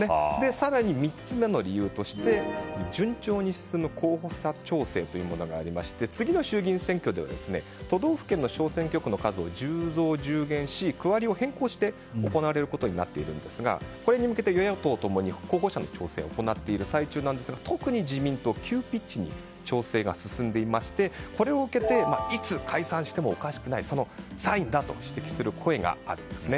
更に３つ目の理由として順調に進む候補者地調整というものがありまして次の衆議院選挙では都道府県の小選挙区の数を１０増１０減し区割りを変更して行われることになっているんですがこれに向けて与野党ともに候補者の調整を行っている最中なんですが特に自民党急ピッチに調整が進んでいましてこれを受けていつ解散してもおかしくないサインだと指摘する声があるんですね。